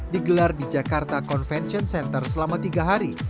digelar di jakarta convention center selama tiga hari